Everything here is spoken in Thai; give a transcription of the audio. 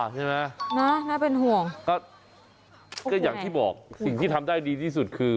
ใช่ไหมครับพูโกงใหม่น่าที่บอกอย่างสิ่งที่ทำได้ดีที่สุดคือ